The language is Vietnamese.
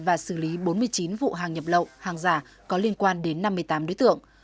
và xử lý bốn mươi chín vụ hàng nhập lậu hàng giả có liên quan đến năm mươi tám đối tượng